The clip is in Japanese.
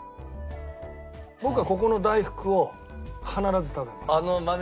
僕はここの大福を必ず食べます。